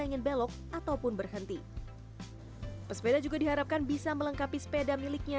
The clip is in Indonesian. ingin belok ataupun berhenti pesepeda juga diharapkan bisa melengkapi sepeda miliknya